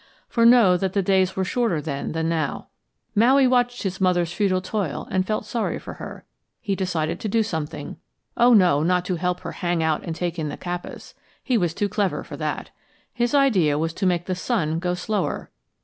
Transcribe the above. For know that the days were shorter then than now. Maui watched his mother's futile toil and felt sorry for her. He decided to do something oh, no, not to help her hang out and take in the kapas. He was too clever for that. His idea was to make the sun go slower.